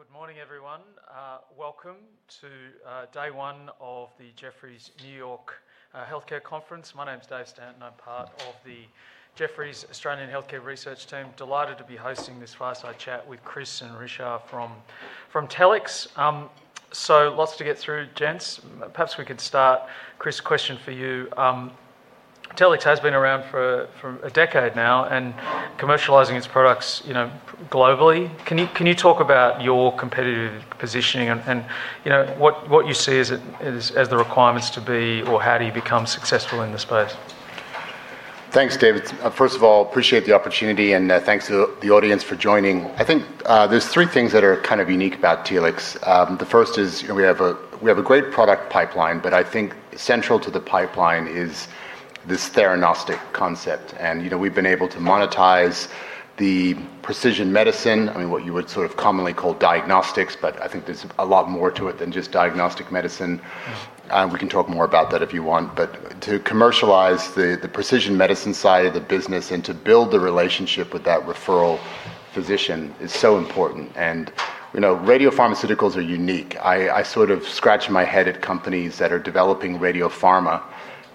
Well, good morning, everyone. Welcome to day one of the Jefferies Global Healthcare Conference. My name's David Stanton. I'm part of the Jefferies Australian Healthcare Research Team. Delighted to be hosting this fireside chat with Chris and Richard from Telix. Lots to get through, gents. Perhaps we could start, Chris, question for you. Telix has been around for a decade now and commercializing its products globally. Can you talk about your competitive positioning and what you see as the requirements to be or how do you become successful in this space? Thanks, David. First of all, appreciate the opportunity, and thanks to the audience for joining. I think there's three things that are kind of unique about Telix. The first is we have a great product pipeline, but I think central to the pipeline is this theranostic concept. We've been able to monetize the precision medicine, what you would sort of commonly call diagnostics, but I think there's a lot more to it than just diagnostic medicine. We can talk more about that if you want. To commercialize the precision medicine side of the business and to build the relationship with that referral physician is so important, and radiopharmaceuticals are unique. I sort of scratch my head at companies that are developing radiopharma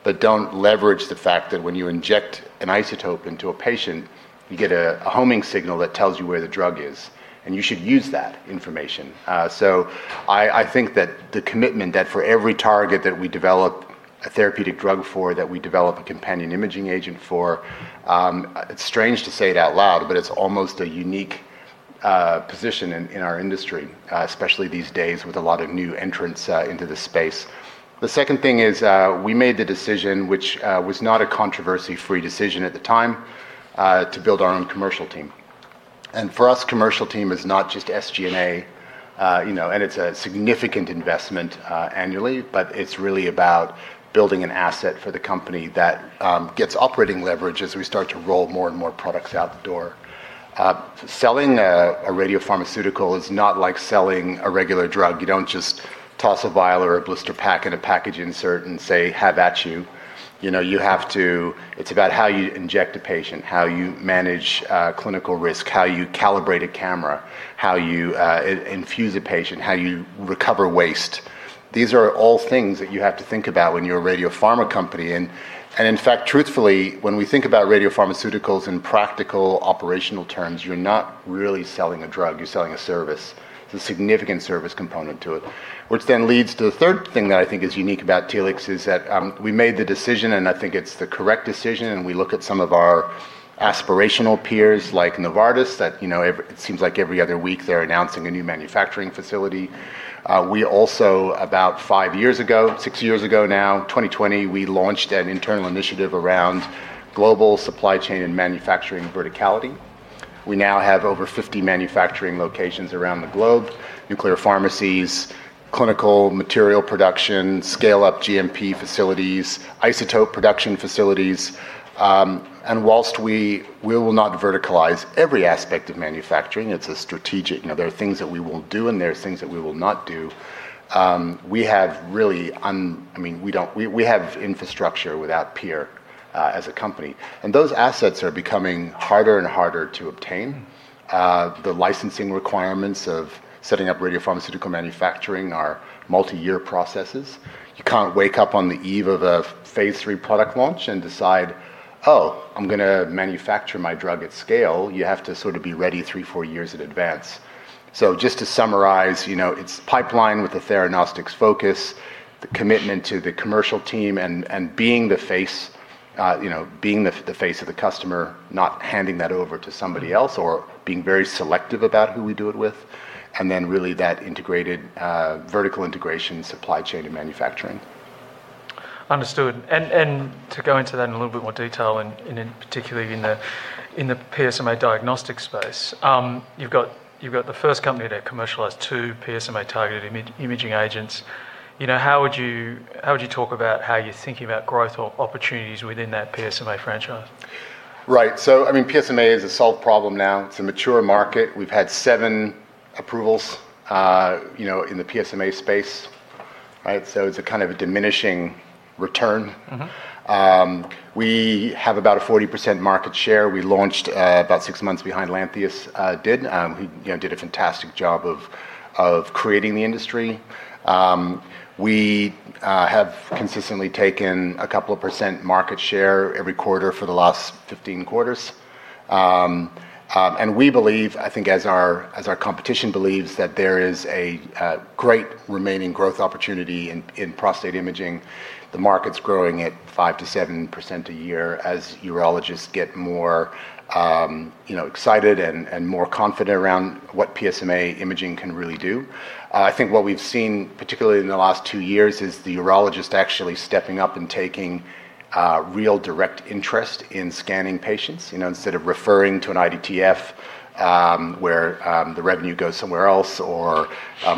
but don't leverage the fact that when you inject an isotope into a patient, you get a homing signal that tells you where the drug is, and you should use that information. I think that the commitment that for every target that we develop a therapeutic drug for, that we develop a companion imaging agent for, it's strange to say it out loud, but it's almost a unique position in our industry, especially these days with a lot of new entrants into this space. The second thing is, we made the decision, which was not a controversy-free decision at the time, to build our own commercial team. For us, commercial team is not just SG&A, it's a significant investment annually, but it's really about building an asset for the company that gets operating leverage as we start to roll more and more products out the door. Selling a radiopharmaceutical is not like selling a regular drug. You don't just toss a vial or a blister pack in a package insert and say, "Have at you." It's about how you inject a patient, how you manage clinical risk, how you calibrate a camera, how you infuse a patient, how you recover waste. These are all things that you have to think about when you're a radiopharma company. In fact, truthfully, when we think about radiopharmaceuticals in practical operational terms, you're not really selling a drug, you're selling a service. There's a significant service component to it. That leads to the third thing that I think is unique about Telix is that we made the decision, and I think it's the correct decision, and we look at some of our aspirational peers like Novartis, that it seems like every other week they're announcing a new manufacturing facility. We also, about five years ago, six years ago now, 2020, we launched an internal initiative around global supply chain and manufacturing verticality. We now have over 50 manufacturing locations around the globe, nuclear pharmacies, clinical material production, scale-up GMP facilities, isotope production facilities. Whilst we will not verticalize every aspect of manufacturing, there are things that we will do, and there are things that we will not do. We have infrastructure without peer as a company, those assets are becoming harder and harder to obtain. The licensing requirements of setting up radiopharmaceutical manufacturing are multi-year processes. You can't wake up on the eve of a phase III product launch and decide, "Oh, I'm going to manufacture my drug at scale." You have to sort of be ready three, four years in advance. Just to summarize, it's pipeline with a theranostics focus, the commitment to the commercial team, and being the face of the customer, not handing that over to somebody else or being very selective about who we do it with, and then really that integrated vertical integration supply chain and manufacturing. Understood. To go into that in a little bit more detail, in particular in the PSMA diagnostics space, you've got the first company to commercialize two PSMA-targeted imaging agents. How would you talk about how you're thinking about growth or opportunities within that PSMA franchise? Right. PSMA is a solved problem now. It's a mature market. We've had seven approvals in the PSMA space, right? It's a kind of diminishing return. We have about a 40% market share. We launched about six months behind Lantheus did, who did a fantastic job of creating the industry. We have consistently taken a couple of percent market share every quarter for the last 15 quarters. We believe, I think as our competition believes, that there is a great remaining growth opportunity in prostate imaging. The market's growing at 5%-7% a year as urologists get more excited and more confident around what PSMA imaging can really do. I think what we've seen, particularly in the last two years, is the urologist actually stepping up and taking real direct interest in scanning patients, instead of referring to an IDTF, where the revenue goes somewhere else or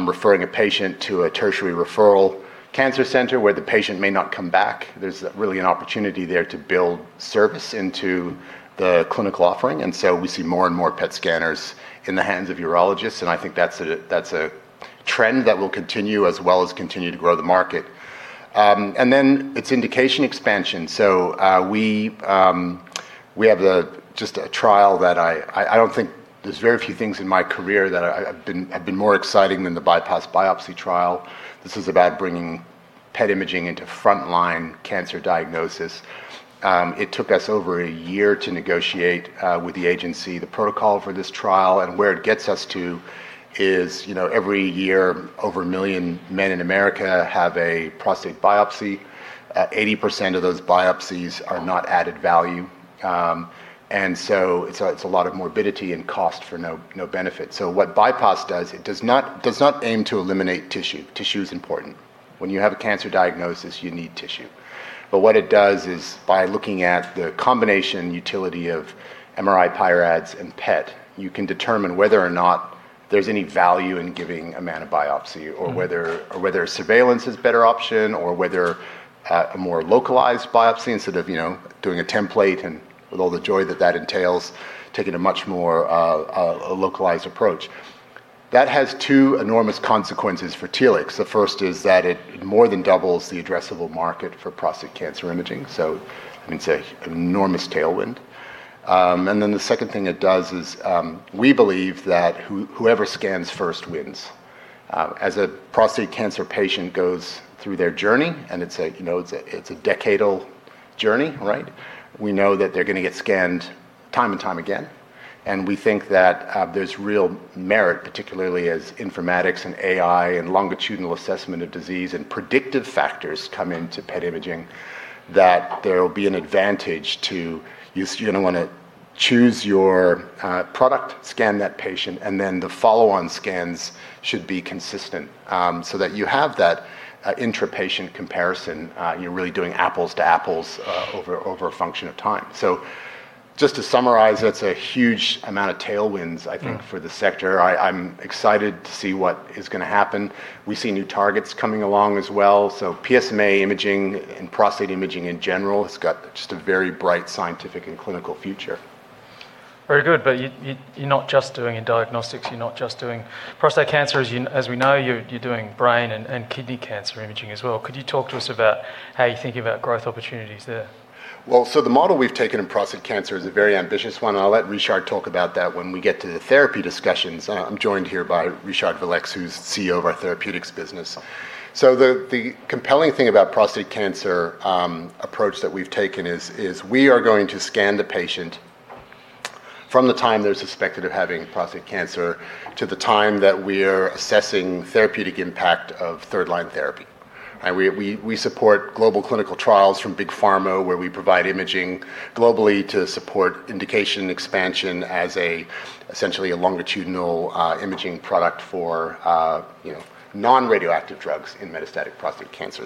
referring a patient to a tertiary referral cancer center where the patient may not come back. There's really an opportunity there to build service into the clinical offering. We see more and more PET scanners in the hands of urologists, and I think that's a trend that will continue as well as continue to grow the market. Its indication expansion. We have just a trial. There's very few things in my career that have been more exciting than the BiPASS biopsy trial. This is about bringing PET imaging into frontline cancer diagnosis. It took us over a year to negotiate with the agency the protocol for this trial, and where it gets us to is every year, over million men in America have a prostate biopsy. 80% of those biopsies are not added value. It's a lot of morbidity and cost for no benefit. What BiPASS does, it does not aim to eliminate tissue. Tissue is important. When you have a cancer diagnosis, you need tissue. What it does is by looking at the combination utility of MRI PI-RADS and PET, you can determine whether or not there's any value in giving a man a biopsy or whether surveillance is a better option or whether a more localized biopsy instead of doing a template and with all the joy that that entails, taking a much more localized approach. That has two enormous consequences for Telix. The first is that it more than doubles the addressable market for prostate cancer imaging. I mean, it's an enormous tailwind. The second thing it does is we believe that whoever scans first wins. As a prostate cancer patient goes through their journey, and it's a decadal journey, right? We know that they're going to get scanned time and time again, we think that there's real merit, particularly as informatics and AI and longitudinal assessment of disease and predictive factors come into PET imaging, that there will be an advantage to you're going to want to choose your product, scan that patient, and then the follow-on scans should be consistent, so that you have that intra-patient comparison. You're really doing apples to apples over a function of time. Just to summarize, that's a huge amount of tailwinds, I think, for the sector. I'm excited to see what is going to happen. We see new targets coming along as well. PSMA imaging and prostate imaging in general has got just a very bright scientific and clinical future. Very good. You're not just doing in diagnostics, you're not just doing prostate cancer as we know, you're doing brain and kidney cancer imaging as well. Could you talk to us about how you're thinking about growth opportunities there? The model we've taken in prostate cancer is a very ambitious one. I'll let Richard talk about that when we get to the therapy discussions. I'm joined here by Richard Valeix, who's CEO of our therapeutics business. The compelling thing about prostate cancer approach that we've taken is we are going to scan the patient from the time they're suspected of having prostate cancer to the time that we're assessing therapeutic impact of third-line therapy. We support global clinical trials from big pharma, where we provide imaging globally to support indication expansion as essentially a longitudinal imaging product for non-radioactive drugs in metastatic prostate cancer.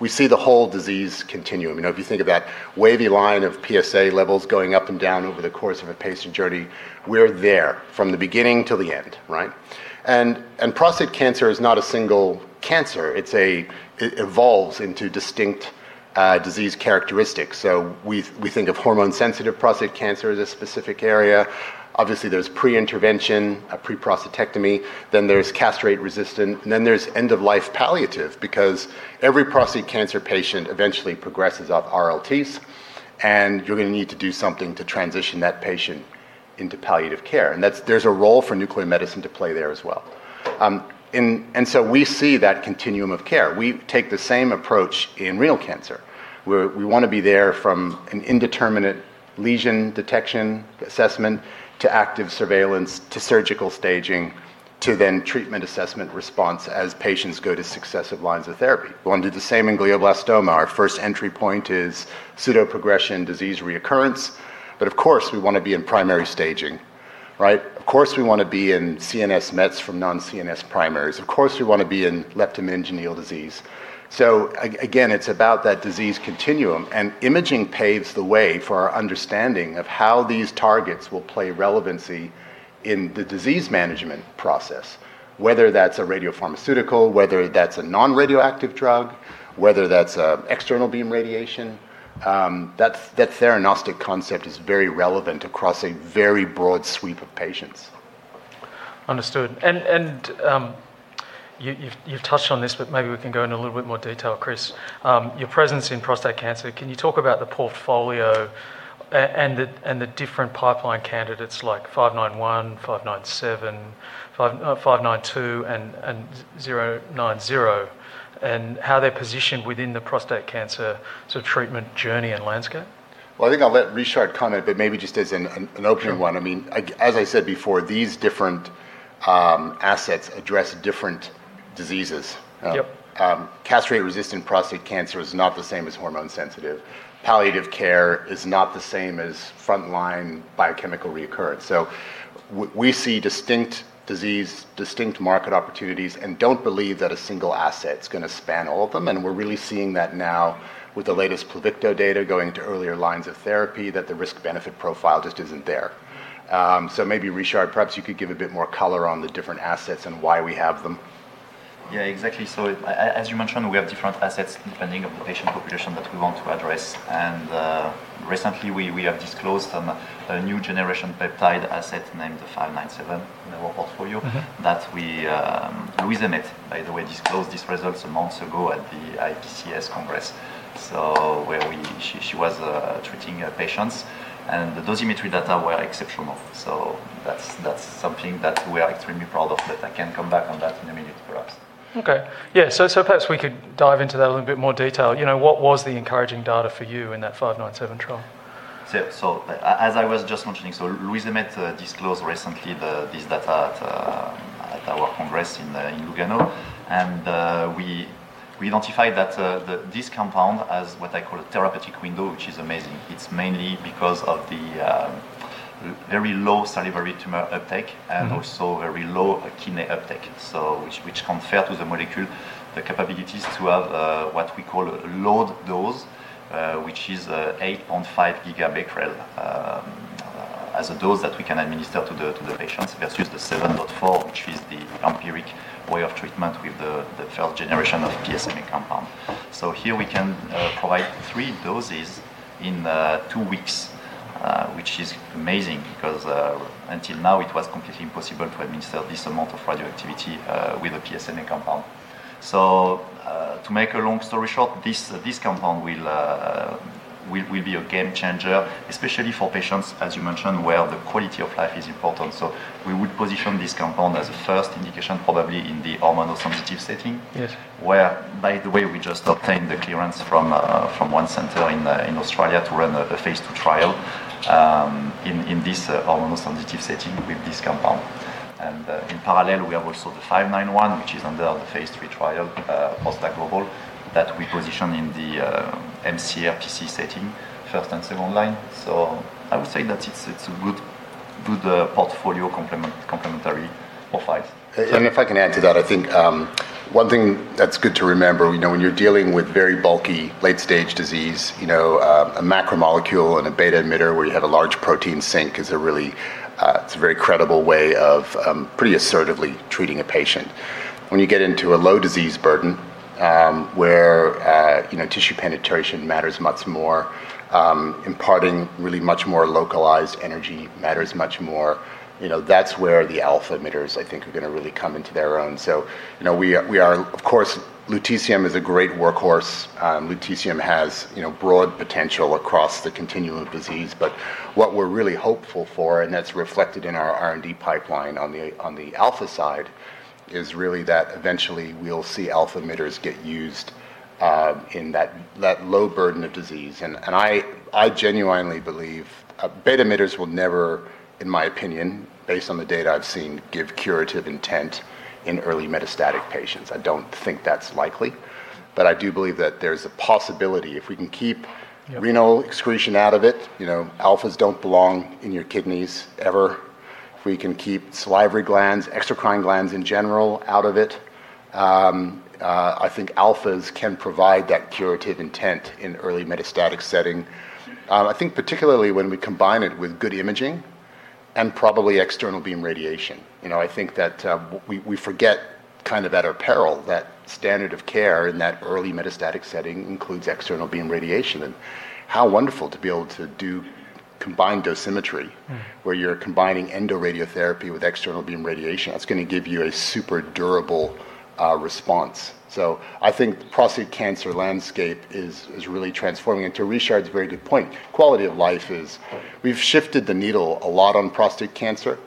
We see the whole disease continuum. If you think of that wavy line of PSA levels going up and down over the course of a patient journey, we're there from the beginning till the end, right? Prostate cancer is not a single cancer. It evolves into distinct disease characteristics. We think of hormone-sensitive prostate cancer as a specific area. Obviously, there's pre-intervention, a pre-prostatectomy, then there's castration-resistant, and then there's end-of-life palliative because every prostate cancer patient eventually progresses off RLTs, and you're going to need to do something to transition that patient into palliative care. There's a role for nuclear medicine to play there as well. We see that continuum of care. We take the same approach in renal cancer, where we want to be there from an indeterminate lesion detection assessment to active surveillance, to surgical staging, to then treatment assessment response as patients go to successive lines of therapy. We want to do the same in glioblastoma. Our first entry point is pseudoprogression disease recurrence. Of course, we want to be in primary staging, right? Of course, we want to be in CNS mets from non-CNS primaries. Of course, we want to be in leptomeningeal disease. Again, it's about that disease continuum and imaging paves the way for our understanding of how these targets will play relevancy in the disease management process. Whether that's a radiopharmaceutical, whether that's a non-radioactive drug, whether that's external beam radiation, that theranostic concept is very relevant across a very broad sweep of patients. Understood. You've touched on this, but maybe we can go into a little bit more detail, Chris. Your presence in prostate cancer, can you talk about the portfolio and the different pipeline candidates like 591, 597, 592 and 090, and how they're positioned within the prostate cancer sort of treatment journey and landscape? Well, I think I'll let Richard comment, but maybe just as an opening one, as I said before, these different assets address different diseases. Yep. Castrate-resistant prostate cancer is not the same as hormone sensitive. Palliative care is not the same as frontline biochemical reoccurrence. We see distinct disease, distinct market opportunities, and don't believe that a single asset is going to span all of them, and we're really seeing that now with the latest PLUVICTO data going to earlier lines of therapy that the risk-benefit profile just isn't there. Maybe Richard, perhaps you could give a bit more color on the different assets and why we have them. Yeah, exactly. As you mentioned, we have different assets depending on the patient population that we want to address. Recently we have disclosed a new-generation peptide asset named the 597 in our portfolio that we, Louise Emmett, by the way, disclosed these results months ago at the IPCS Congress, where she was treating patients, and the dosimetry data were exceptional. That's something that we are extremely proud of, but I can come back on that in a minute perhaps. Okay. Yeah. Perhaps we could dive into that in a little bit more detail. What was the encouraging data for you in that TLX597 trial? As I was just mentioning, Louise Emmett disclosed recently this data at our congress in Lugano. We identified this compound as what I call a therapeutic window, which is amazing. It is mainly because of the very low salivary tumor uptake and also very low kidney uptake, which confer to the molecule the capabilities to have what we call a load dose, which is 8.5 GBq as a dose that we can administer to the patients versus the 7.4 GBq, which is the empiric way of treatment with the third generation of PSMA compound. Here we can provide three doses in two weeks, which is amazing because until now it was completely impossible to administer this amount of radioactivity with a PSMA compound. To make a long story short, this compound will be a game changer, especially for patients, as you mentioned, where the quality of life is important. We would position this compound as a first indication, probably in the hormone sensitive setting. Yes. Where, by the way, we just obtained the clearance from one center in Australia to run a phase II trial in this hormone-sensitive setting with this compound. In parallel, we have also the TLX591, which is under the phase III trial, ProstACT GLOBAL, that we position in the mCRPC setting, first and second line. I would say that it's a good portfolio complementary of assets. If I can add to that, I think one thing that's good to remember when you're dealing with very bulky late-stage disease, a macromolecule and a beta emitter where you have a large protein sink is a very credible way of pretty assertively treating a patient. When you get into a low disease burden, where tissue penetration matters much more, imparting really much more localized energy matters much more. That's where the alpha emitters, I think, are going to really come into their own. We are, of course, lutetium is a great workhorse. Lutetium has broad potential across the continuum of disease. What we're really hopeful for, and that's reflected in our R&D pipeline on the alpha side, is really that eventually we'll see alpha emitters get used in that low burden of disease. I genuinely believe beta emitters will never, in my opinion, based on the data I've seen, give curative intent in early metastatic patients. I don't think that's likely. I do believe that there's a possibility if we can keep renal excretion out of it, alphas don't belong in your kidneys ever. If we can keep salivary glands, exocrine glands in general out of it, I think alphas can provide that curative intent in early metastatic setting. Particularly when we combine it with good imaging and probably external beam radiation. We forget kind of at our peril that standard of care in that early metastatic setting includes external beam radiation, and how wonderful to be able to do combined dosimetry where you're combining endoradiotherapy with external beam radiation. That's going to give you a super durable response. I think prostate cancer landscape is really transforming. To Richard's very good point, quality of life is we've shifted the needle a lot on prostate cancer.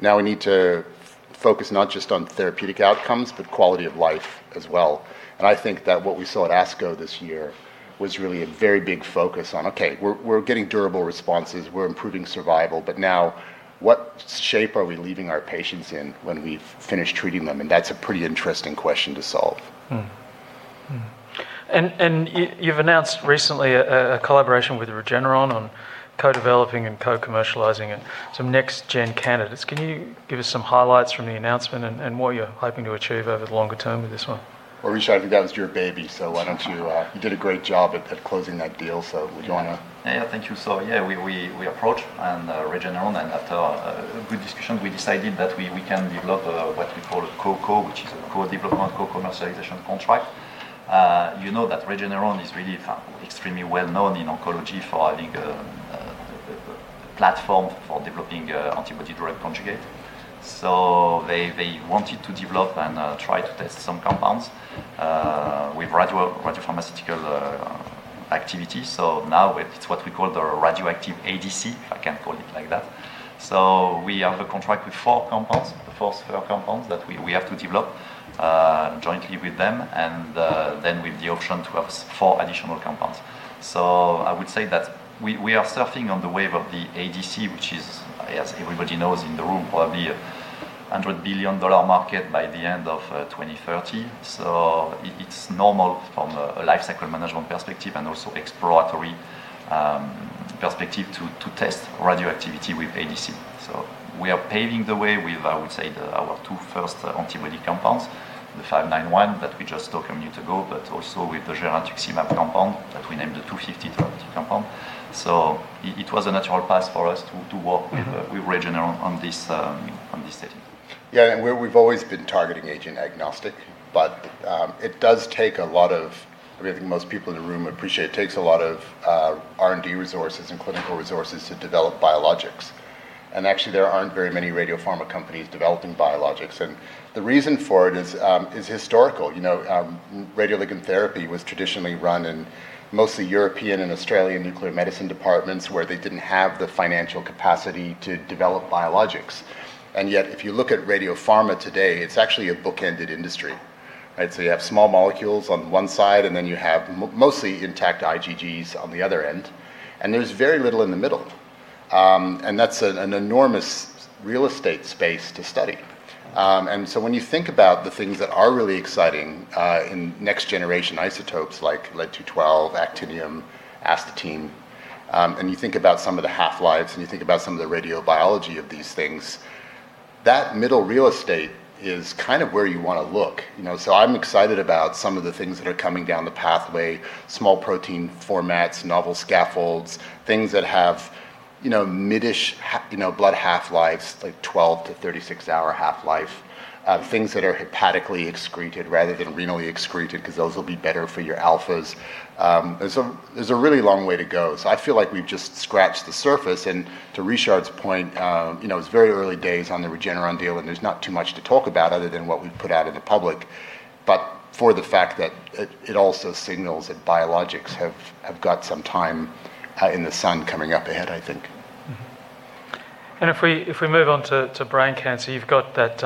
Now we need to focus not just on therapeutic outcomes, but quality of life as well. I think that what we saw at ASCO this year was really a very big focus on, okay, we're getting durable responses, we're improving survival, but now what shape are we leaving our patients in when we've finished treating them? That's a pretty interesting question to solve. You've announced recently a collaboration with Regeneron on co-developing and co-commercializing some next-gen candidates. Can you give us some highlights from the announcement and what you're hoping to achieve over the longer term with this one? Well, Richard, that was your baby. You did a great job at closing that deal, so would you want to? Thank you. We approached Regeneron, and after a good discussion, we decided that we can develop what we call a CoCo, which is a co-development, co-commercialization contract. You know that Regeneron is really extremely well known in oncology for having a platform for developing antibody-drug conjugate. They wanted to develop and try to test some compounds with radiopharmaceutical activity. Now it's what we call the radioactive ADC, I can call it like that. We have a contract with four compounds, the first four compounds that we have to develop jointly with them, and then with the option to have four additional compounds. I would say that we are surfing on the wave of the ADC, which is, as everybody knows in the room, probably a 100 billion dollar market by the end of 2030. It's normal from a life cycle management perspective and also exploratory perspective to test radioactivity with ADC. We are paving the way with, I would say, our two first antibody compounds, the 591 that we just talked a minute ago, but also with the girentuximab compound that we named the 250 therapeutic compound. It was a natural path for us to work with Regeneron on this setting. We've always been targeting agent agnostic, but I think most people in the room appreciate it takes a lot of R&D resources and clinical resources to develop biologics. Actually, there aren't very many radiopharma companies developing biologics. The reason for it is historical. Radioligand therapy was traditionally run in mostly European and Australian nuclear medicine departments, where they didn't have the financial capacity to develop biologics. If you look at radiopharma today, it's actually a book-ended industry. You have small molecules on one side, and then you have mostly intact IgGs on the other end, and there's very little in the middle. That's an enormous real estate space to study. When you think about the things that are really exciting in next-generation isotopes like lead-212, actinium, astatine, and you think about some of the half-lives, and you think about some of the radiobiology of these things, that middle real estate is kind of where you want to look. I'm excited about some of the things that are coming down the pathway, small protein formats, novel scaffolds, things that have mid-ish blood half-lives, like 12-36-hour half-life. Things that are hepatically excreted rather than renally excreted, because those will be better for your alphas. There's a really long way to go. I feel like we've just scratched the surface. To Richard's point, it's very early days on the Regeneron deal, and there's not too much to talk about other than what we've put out in the public, but for the fact that it also signals that biologics have got some time in the sun coming up ahead, I think. If we move on to brain cancer, you've got that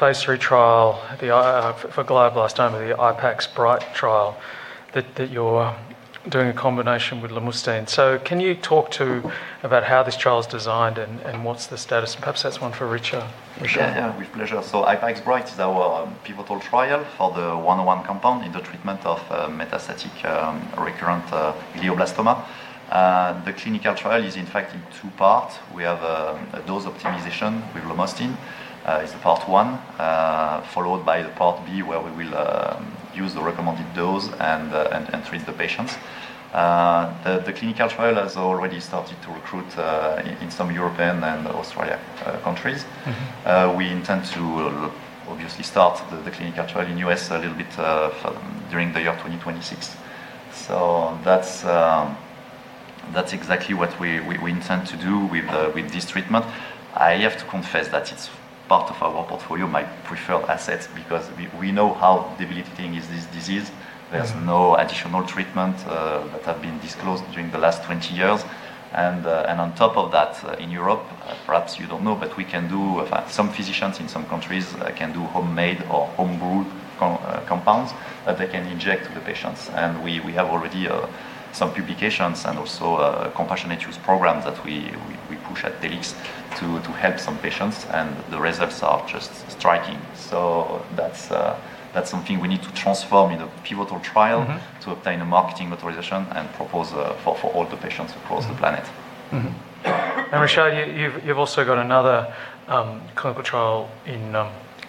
phase III trial for glioblastoma, the IPAX BrIGHT trial, that you're doing a combination with lomustine. Can you talk too about how this trial is designed and what's the status? Perhaps that's one for Richard. Richard? Yeah, with pleasure. IPAX BrIGHT is our pivotal trial for the TLX101 compound in the treatment of metastatic, recurrent glioblastoma. The clinical trial is, in fact, in two parts. We have a dose optimization with lomustine is the part one, followed by the part B where we will use the recommended dose and treat the patients. The clinical trial has already started to recruit in some European and Australia countries. We intend to obviously start the clinical trial in the U.S. a little bit during the year 2026. That's exactly what we intend to do with this treatment. I have to confess that it's part of our portfolio, my preferred asset, because we know how debilitating is this disease. There's no additional treatment that has been disclosed during the last 20 years. On top of that, in Europe, perhaps you don't know, but some physicians in some countries can do homemade or home-brewed compounds that they can inject the patients. We have already some publications and also compassionate use programs that we push at Telix to help some patients, and the results are just striking. That's something we need to transform in a pivotal trial to obtain a marketing authorization and propose for all the patients across the planet. Richard, you've also got another clinical trial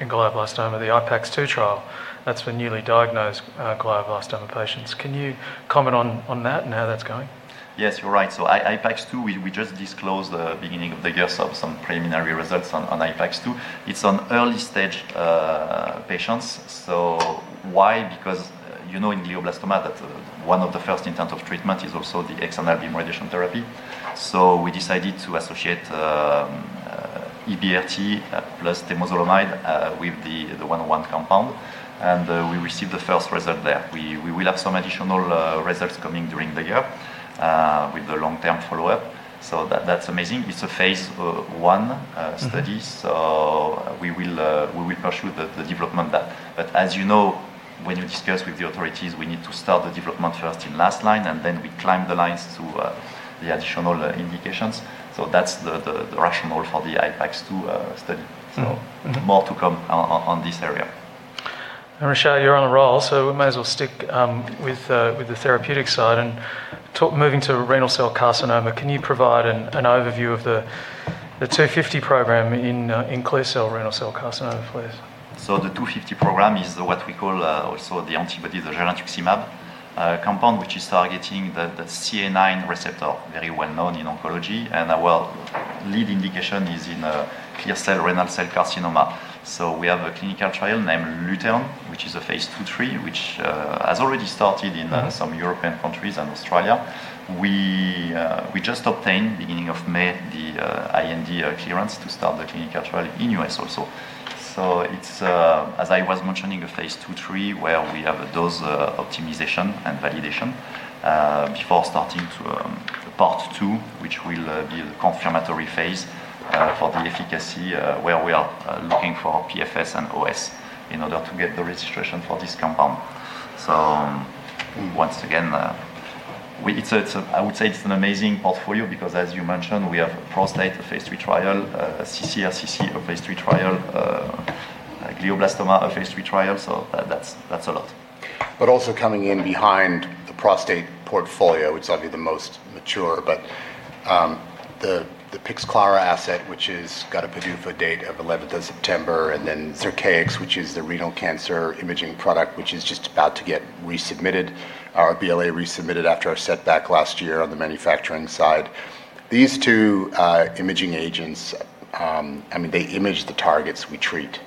in glioblastoma, the IPAX-2 trial. That's for newly diagnosed glioblastoma patients. Can you comment on that and how that's going? Yes, you're right. IPAX-2, we just disclosed the beginning of the year some preliminary results on IPAX-2. It's on early-stage patients. Why? Because in glioblastoma, one of the first intent of treatment is also the EBRT radiation therapy. We decided to associate EBRT plus temozolomide with the TLX101 compound, and we received the first result there. We will have some additional results coming during the year with the long-term follow-up. That's amazing. It's a phase I study. We will pursue the development there. As you know, when you discuss with the authorities, we need to start the development first in last line, and then we climb the lines to the additional indications. That's the rationale for the IPAX-2 study. More to come on this area. Richard, you're on a roll, so we may as well stick with the therapeutic side and moving to renal cell carcinoma. Can you provide an overview of the TLX250 program in clear cell renal cell carcinoma, please? The TLX250 program is what we call also the antibody, the girentuximab compound, which is targeting the CA9 receptor, very well known in oncology, and our lead indication is in clear cell renal cell carcinoma. We have a clinical trial named ZIRCON, which is a phase II/III, which has already started in. some European countries and Australia. We just obtained, beginning of May, the IND clearance to start the clinical trial in the U.S. also. It's, as I was mentioning, a phase II/III where we have a dose optimization and validation before starting part two, which will be the confirmatory phase for the efficacy, where we are looking for PFS and OS in order to get the registration for this compound. Once again, I would say it's an amazing portfolio because, as you mentioned, we have a prostate, a phase III trial, a ccRCC, a phase III trial, a glioblastoma, a phase III trial, so that's a lot. Coming in behind the prostate portfolio, it's obviously the most mature, but the Pixclara asset, which has got a PDUFA date of 11th of September, and then Zircaix, which is the renal cancer imaging product, which is just about to get our BLA resubmitted after our setback last year on the manufacturing side. These two imaging agents, they image the targets we treat.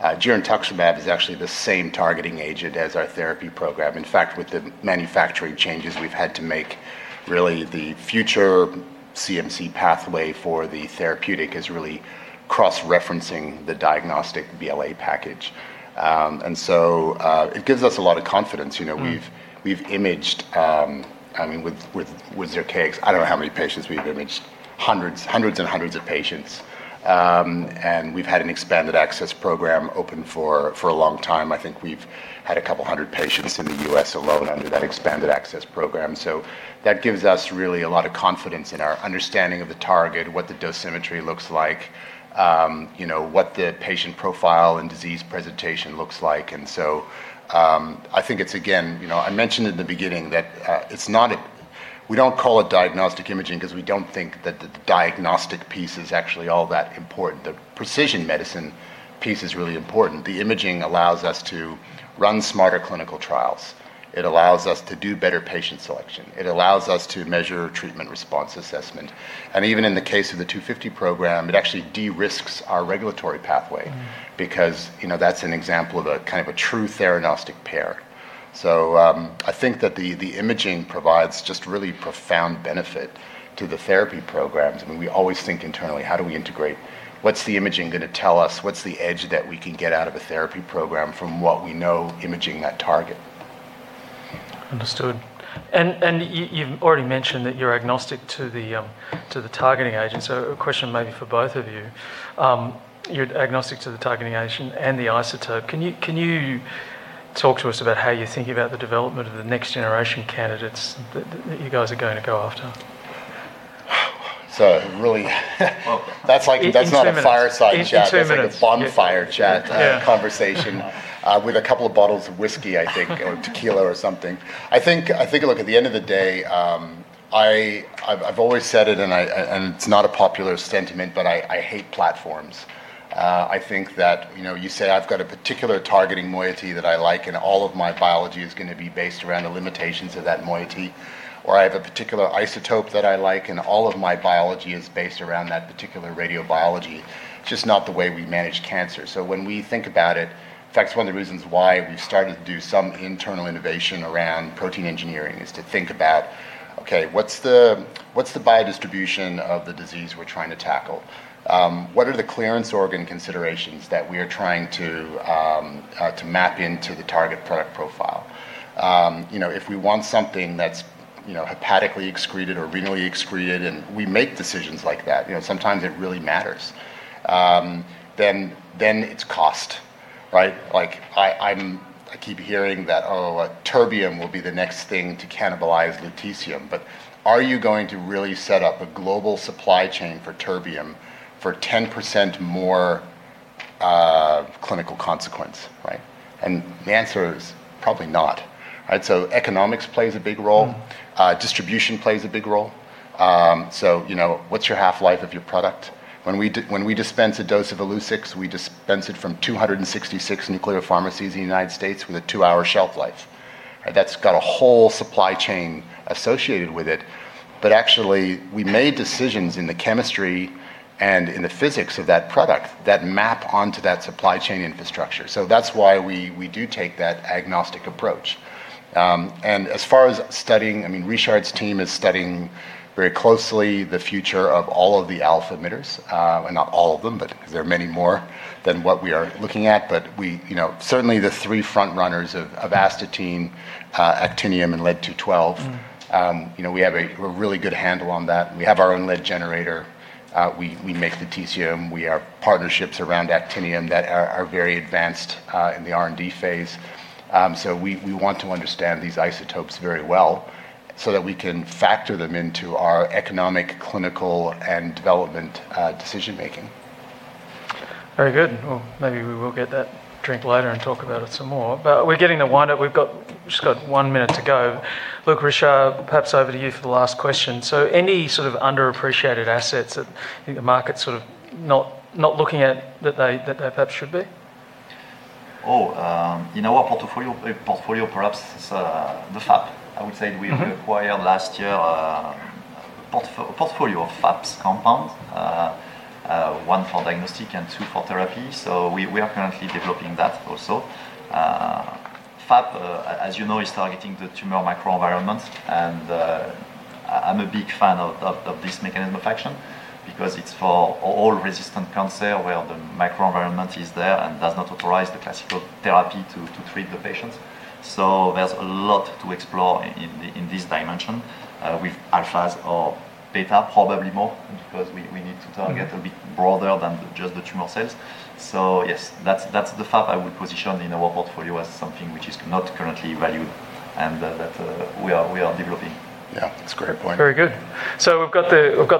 Girentuximab is actually the same targeting agent as our therapy program. In fact, with the manufacturing changes we've had to make, really the future CMC pathway for the therapeutic is really cross-referencing the diagnostic BLA package. It gives us a lot of confidence. We've imaged, with Zircaix, I don't know how many patients we've imaged. Hundreds and hundreds of patients. We've had an expanded access program open for a long time. I think we've had a couple hundred patients in the U.S. alone under that expanded access program. That gives us really a lot of confidence in our understanding of the target, what the dosimetry looks like, what the patient profile and disease presentation looks like. I think it's, again, I mentioned in the beginning that we don't call it diagnostic imaging because we don't think that the diagnostic piece is actually all that important. The precision medicine piece is really important. The imaging allows us to run smarter clinical trials. It allows us to do better patient selection. It allows us to measure treatment response assessment. Even in the case of the TLX250 program, it actually de-risks our regulatory pathway. Because that's an example of a kind of a true theranostic pair. I think that the imaging provides just really profound benefit to the therapy programs. We always think internally, "How do we integrate?" What's the imaging going to tell us? What's the edge that we can get out of a therapy program from what we know imaging that target? Understood. You've already mentioned that you're agnostic to the targeting agent. A question maybe for both of you. You're agnostic to the targeting agent and the isotope. Can you talk to us about how you think about the development of the next generation candidates that you guys are going to go after? So really that's like- In two minutes that's not a fireside chat. In two minutes. That's like a bonfire chat- Yeah. conversation with a couple of bottles of whiskey, I think, or tequila or something. I think, look, at the end of the day, I've always said it, and it's not a popular sentiment, but I hate platforms. I think that you say, "I've got a particular targeting moiety that I like, and all of my biology is going to be based around the limitations of that moiety," or, "I have a particular isotope that I like, and all of my biology is based around that particular radiobiology." Just not the way we manage cancer. When we think about it, in fact, one of the reasons why we've started to do some internal innovation around protein engineering is to think about, okay, what's the biodistribution of the disease we're trying to tackle? What are the clearance organ considerations that we are trying to map into the target product profile? If we want something that's hepatically excreted or renally excreted, we make decisions like that. Sometimes it really matters. It's cost, right? I keep hearing that, oh, terbium will be the next thing to cannibalize lutetium, but are you going to really set up a global supply chain for terbium for 10% more clinical consequence, right? The answer is probably not. Right? Economics plays a big role. Distribution plays a big role. What's your half-life of your product? When we dispense a dose of Illuccix, we dispense it from 266 nuclear pharmacies in the United States with a two-hour shelf life. That's got a whole supply chain associated with it. We made decisions in the chemistry and in the physics of that product that map onto that supply chain infrastructure. That's why we do take that agnostic approach. As far as studying, Richard's team is studying very closely the future of all of the alpha emitters. Well, not all of them, but there are many more than what we are looking at. Certainly the three front runners of astatine, actinium, and lead-212. We have a really good handle on that, and we have our own lead generator. We make the Tc-99m. We are partnerships around actinium that are very advanced in the R&D phase. We want to understand these isotopes very well so that we can factor them into our economic, clinical, and development decision-making. Very good. Well, maybe we will get that drink later and talk about it some more. We're getting to wind up. We've got just one minute to go. Look, Richard, perhaps over to you for the last question. Any sort of underappreciated assets that you think the market's sort of not looking at that they perhaps should be? In our portfolio, perhaps, is the FAP. I would say we acquired last year a portfolio of FAP compound. One for diagnostic and two for therapy. We are currently developing that also. FAP, as you know, is targeting the tumor microenvironment and I'm a big fan of this mechanism of action because it's for all resistant cancer where the microenvironment is there and does not authorize the classical therapy to treat the patients. There's a lot to explore in this dimension, with alphas or beta probably more, because we need to target a bit broader than just the tumor cells. Yes, that's the FAP I would position in our portfolio as something which is not currently valued and that we are developing. Yeah, that's a great point. Very good.